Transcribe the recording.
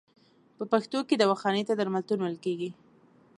په پښتو کې دواخانې ته درملتون ویل کیږی.